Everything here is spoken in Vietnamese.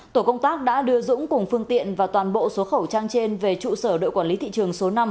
tổ công tác đã đưa dũng cùng phương tiện và toàn bộ số khẩu trang trên về trụ sở đội quản lý thị trường số năm